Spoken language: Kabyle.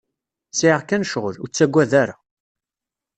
Sɛiɣ kan cɣel, ur taggad ara.